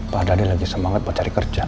padahal dia lagi semangat buat cari kerja